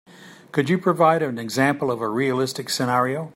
Could you provide an example of a realistic scenario?